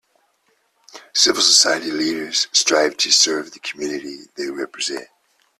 Civil society leaders strive to serve the community they represent.